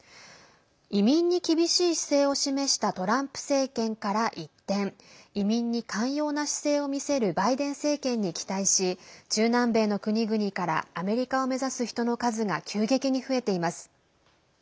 移民に厳しい姿勢を示したトランプ政権から一転移民に寛容な姿勢を見せるバイデン政権に期待し中南米の国々からアメリカを目指す人の数が急激に増えています。